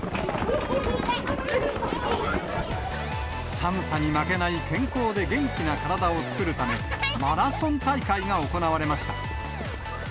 寒さに負けない、健康で元気な体を作るため、マラソン大会が行われました。